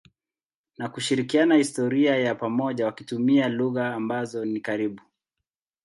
na kushirikiana historia ya pamoja wakitumia lugha ambazo ni karibu.